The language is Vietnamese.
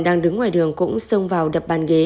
đang đứng ngoài đường cũng xông vào đập bàn ghế